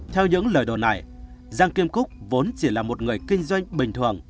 theo những lời đồn này giang kim cúc vốn chỉ là một người kinh doanh bình thường